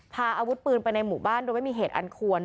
พาอาวุธปืนไปในหมู่บ้านโดยไม่มีเหตุอันควร